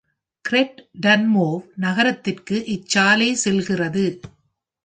Great Dunmow நகரத்திற்கு இச்சாலை செல்கிறது.